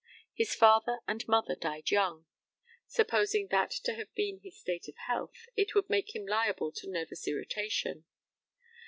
His father and mother died young. Supposing that to have been his state of health, it would make him liable to nervous irritation.